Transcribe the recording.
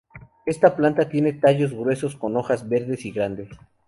Esta planta tiene tallos gruesos con hojas verdes y grandes.